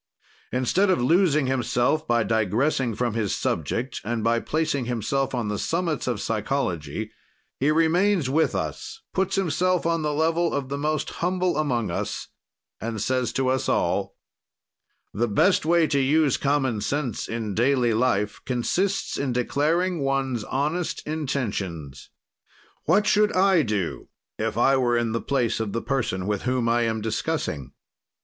Instead of losing himself by digressing from his subject and by placing himself on the summits of psychology, he remains with us, puts himself on the level of the most humble among us, and says to us all: "The best way to use common sense in daily life consists in declaring one's honest intentions. "What should I do if I were in the place of the person with whom I am discussing?